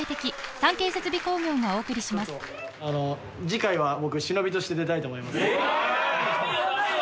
次回は僕忍として出たいと思います。